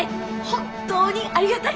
本当にありがたい！